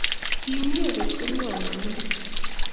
Kimie kotkoim komwowo iman